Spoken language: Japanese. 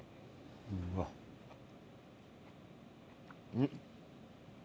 うん。